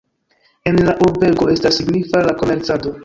En la urbego estas signifa la komercado.